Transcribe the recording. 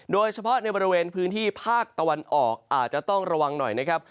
โดยเฉพาะในบริเวณพื้นที่ภาคตะวันออกอาจจะต้องระวังหน่อยนะครับ